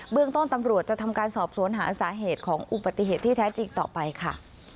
เรื่องต้นตำรวจจะทำการสอบสวนหาสาเหตุของอุบัติเหตุที่แท้จริงต่อไปค่ะ